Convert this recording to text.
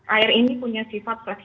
air ini punya sifat fleksi